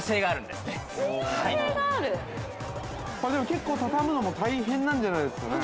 ◆結構畳むのも大変なんじゃないですかね。